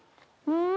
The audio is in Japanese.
うん！